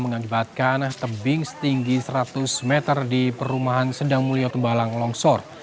mengakibatkan tebing setinggi seratus meter di perumahan sedang mulyo tembalang longsor